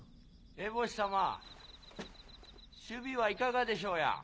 ・エボシ様・首尾はいかがでしょうや？